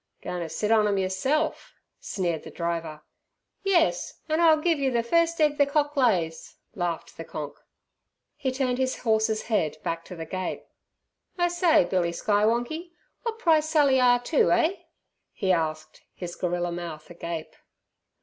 "Goin' ter sit on 'em yerself?" sneered the driver. "Yes, an' I'll give yer ther first egg ther cock lays," laughed the "Konk". He turned his horse's head back to the gate "I say, Billy Skywonkie! Wot price Sally Ah Too, eh?" he asked, his gorilla mouth agape.